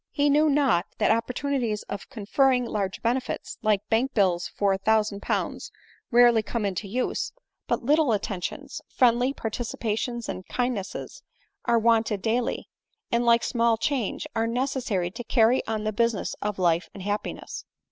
He knew not that opportunities of conferring large benefits, like bank bills for 1000Z. rarely come into use ; but little attentions, friendly participations and kindnesses, are wanted daily, and, like small change, are necessary to carry on the busi ness of life and happiness.